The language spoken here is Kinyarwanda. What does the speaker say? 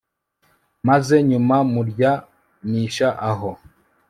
maze nyuma muryamisha aho